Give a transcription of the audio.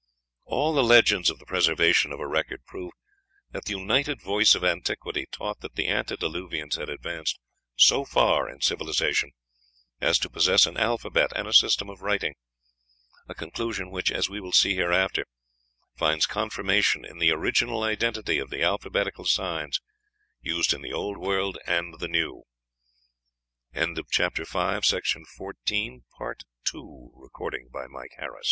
All the legends of the preservation of a record prove that the united voice of antiquity taught that the antediluvians had advanced so far in civilization as to possess an alphabet and a system of writing; a conclusion which, as we will see hereafter, finds confirmation in the original identity of the alphabetical signs used in the old world and the new. PART III THE CIVILIZATION OF THE OLD WORLD AND NEW COMPARED. CHAPTER I. CIVILIZATION AN INHERITANCE.